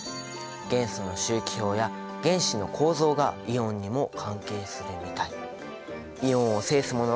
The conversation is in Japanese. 元素の周期表や原子の構造がイオンにも関係するみたい。